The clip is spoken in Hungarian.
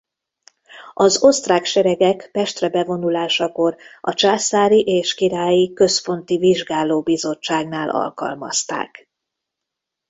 Az osztrák seregek Pestre bevonulásakor a császári és királyi központi vizsgáló-bizottságnál alkalmazták.